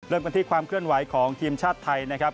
เริ่มกันที่ความเคลื่อนไหวของทีมชาติไทยนะครับ